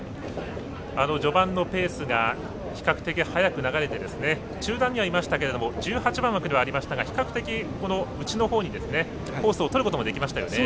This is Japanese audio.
序盤のペースが比較的早く流れて中団にはいましたけども１８番枠ではありましたが比較的内側のほうにコースを取ることもできましたよね。